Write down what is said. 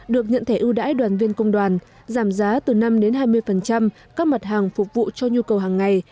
được nhận thẻ ưu đãi đoàn viên công đoàn giảm giá từ năm đến hai mươi các mặt hàng phục vụ cho nhu cầu hàng ngày